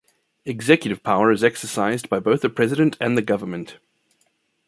Executive power is exercised by both the President and the Government.